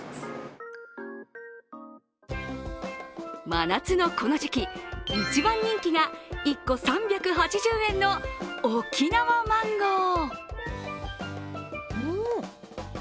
真夏のこの時期、一番人気が１個３８０円の沖縄マンゴー。